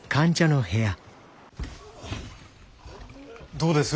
どうです？